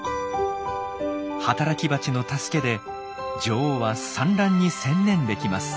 働きバチの助けで女王は産卵に専念できます。